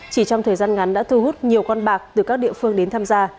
chỉ trong thời gian ngắn đã thu hút nhiều con bạc từ các địa phương đến tham gia